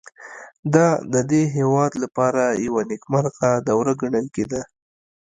دا د دې هېواد لپاره یوه نېکمرغه دوره ګڼل کېده.